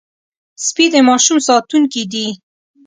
سپي د ماشوم ساتونکي دي.